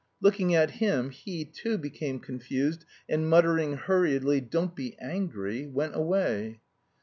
Looking at him he, too, became confused and muttering hurriedly "Don't be angry," went away.